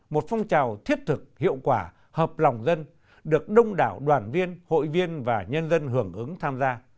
một phong trào thiết thực hiệu quả hợp lòng dân được đông đảo đoàn viên hội viên và nhân dân hưởng ứng tham gia